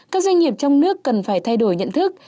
các doanh nghiệp trong nước cần phải thay đổi nhận thức